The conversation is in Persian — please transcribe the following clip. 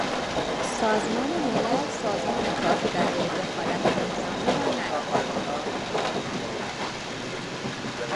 سازمان ملل سازمان کافی برای دخالت نظامی را نداشت.